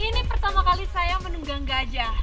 ini pertama kali saya menunggang gajah